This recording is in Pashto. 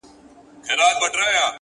ځكه مي دعا ـدعا ـدعا په غېږ كي ايښې ده ـ